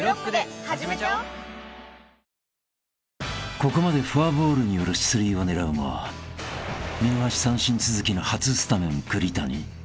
［ここまでフォアボールによる出塁を狙うも見逃し三振続きの初スタメン栗谷］